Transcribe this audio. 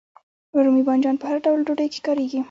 رومي بانجان په هر ډول ډوډۍ کې کاریږي.